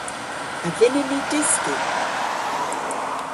A vynnyn ni dyski?